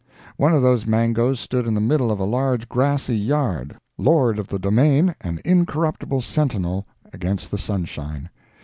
One of those mangoes stood in the middle of a large grassy yard, lord of the domain and incorruptible sentinel against the sunshine.